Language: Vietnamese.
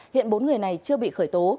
hiện bốn người này chưa bị khởi tố